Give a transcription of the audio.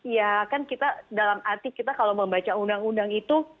ya kan kita dalam arti kita kalau membaca undang undang itu